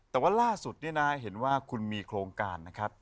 ก็ว่าล่าสุดดิแน่เห็นว่าคุณมีโครงการนะครับที่